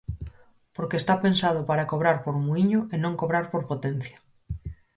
Porque está pensado para cobrar por muíño e non cobrar por potencia.